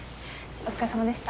お疲れさまでした。